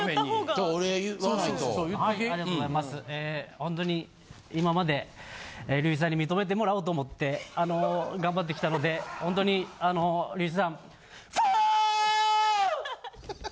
ほんとに今まで隆一さんに認めてもらおうと思ってあの頑張ってきたのでほんとにあの隆一さん。